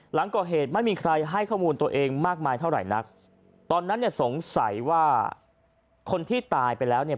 หลังก่อเหตุไม่มีใครให้ข้อมูลตัวเองมากมายเท่าไหร่นักตอนนั้นเนี่ยสงสัยว่าคนที่ตายไปแล้วเนี่ย